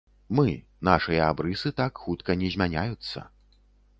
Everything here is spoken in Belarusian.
Мы, нашыя абрысы так хутка не змяняюцца.